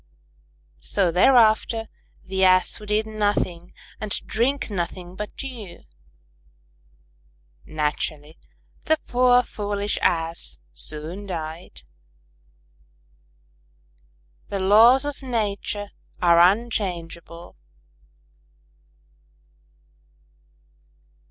So thereafter the Ass would eat nothing and drink nothing but dew. Naturally, the poor foolish Ass soon died. _The laws of nature are unchangeable.